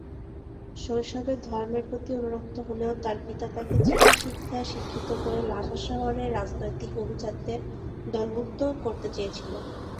শৈশবে ধর্মের প্রতি অনুরক্ত হলেও তার পিতা তাকে চীনা শিক্ষায় শিক্ষিত করে লাসা শহরের রাজনৈতিক অভিজাতদের দলভুক্ত করতে চেয়েছিলেন।